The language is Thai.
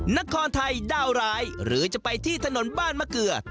นครไทยดาวร้ายหรือจะไปที่ถนนบ้านมะเกลือ